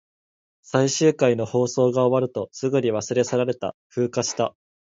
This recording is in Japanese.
最終回の放送が終わると、すぐに忘れ去られた。風化した。